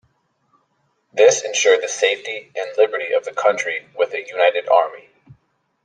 This ensured the safety and liberty of the country with a united army.